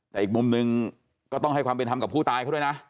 แต่อีกมุมหนึ่งก็ต้องให้ความเป็นธรรมกับผู้ตายเขาด้วยนะ